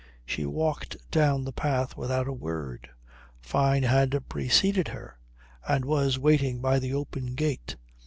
She walked down the path without a word; Fyne had preceded her and was waiting by the open gate.